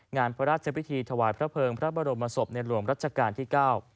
งานพระราชพิธีถวายพระเภิงพระบรมศพในหลวงรัชกาลที่๙